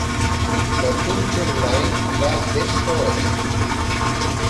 La Tung Chung Line va d'est a oest.